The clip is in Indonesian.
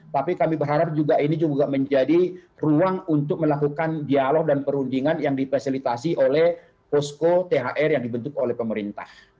tapi kami berharap juga ini juga menjadi ruang untuk melakukan dialog dan perundingan yang difasilitasi oleh posko thr yang dibentuk oleh pemerintah